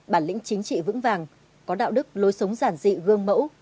bản lĩnh chính trị vững vàng có đạo đức lối sống giản dị gương mẫu